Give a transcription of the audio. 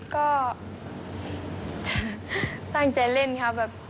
ก็เตรียมเล่นค่ะ